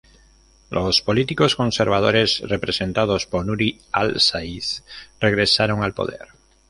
Los políticos conservadores, representados por Nuri al-Said, regresaron al poder.